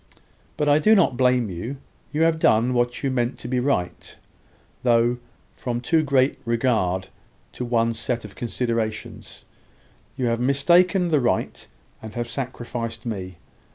"But I do not blame you. You have done what you meant to be right; though, from too great regard to one set of considerations, you have mistaken the right, and have sacrificed me.